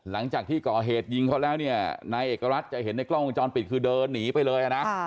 หลังจากที่ก่อเหตุยิงเขาแล้วเนี่ยนายเอกรัฐจะเห็นในกล้องวงจรปิดคือเดินหนีไปเลยนะ